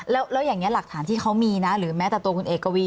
แล้วอย่างนี้หลักฐานที่เขามีนะหรือแม้แต่ตัวคุณเอกวี